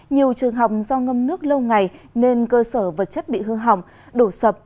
nhiều trường học do ngâm nước lâu ngày nên cơ sở vật chất bị hư hỏng đổ sập